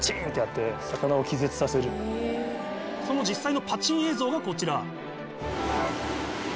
その実際のパチン映像がこちら。